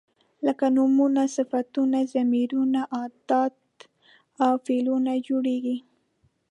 لکه نومونه، صفتونه، ضمیرونه، ادات او فعلونه جوړیږي.